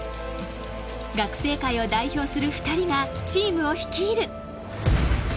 学生界を代表する２人がチームを率いる。